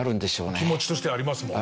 気持ちとしてはありますもんね。